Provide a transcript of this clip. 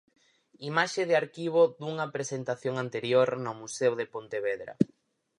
Imaxe de arquivo dunha presentación anterior no Museo de Pontevedra.